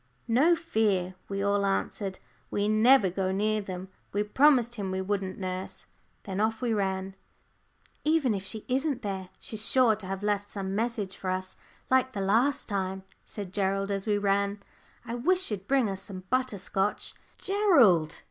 "No fear," we all answered, "we never go near them. We promised him we wouldn't, nurse." Then off we ran. "Even if she isn't there, she's sure to have left some message for us, like the last time," said Gerald as we ran. "I wish she'd bring us some butter scotch." "_Gerald!